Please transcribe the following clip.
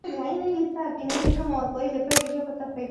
pwani ya Mediteranea na milima ya